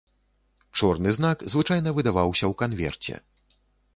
Чорны знак звычайна выдаваўся ў канверце.